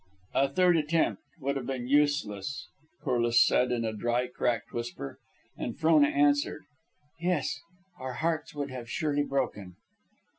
"A third attempt would have been useless," Corliss said, in a dry, cracked whisper. And Frona answered, "Yes; our hearts would have surely broken."